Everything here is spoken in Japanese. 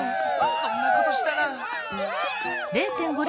そんなことしたら。